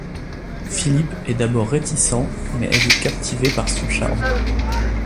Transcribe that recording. Philippe est d'abord réticent mais est vite captivé par son charme.